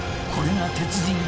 これが鉄人